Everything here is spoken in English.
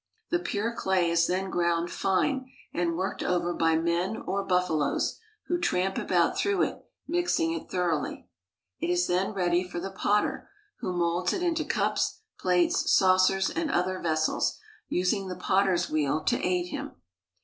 The pure clay is then ground fine and worked over by men or buffaloes, who tramp about through it, mixing it thoroughly. It is then ready for the potter, who molds it into cups, plates, saucers, and other vessels, using the potter's wheel to aid him.